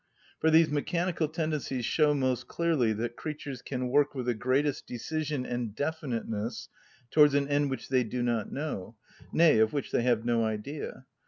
For these mechanical tendencies show most clearly that creatures can work with the greatest decision and definiteness towards an end which they do not know, nay, of which they have no idea.